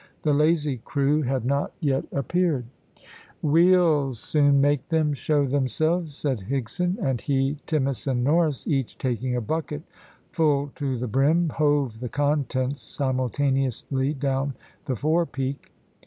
The lazy crew had not yet appeared. "We'll soon make them show themselves," said Higson; and he, Timmins, and Norris, each taking a bucket full to the brim, hove the contents simultaneously down the forepeak.